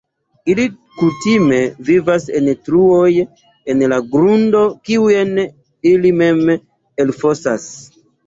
Ili kutime vivas en truoj en la grundo kiujn ili mem elfosas.